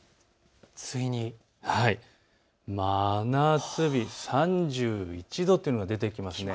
ついに真夏日３１度というのが出てきました。